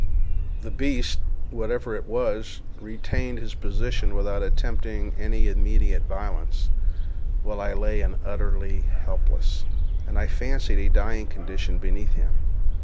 The beast, whatever it was, retained his position without attempting any immediate violence, while I lay in an utterly helpless, and, I fancied, a dying condition beneath him.